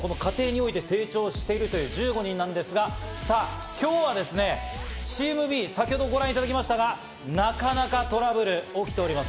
成長している１５人ですが、今日はですね、チームＢ、先ほどご覧いただきましたが、なかなかトラブルが起きております。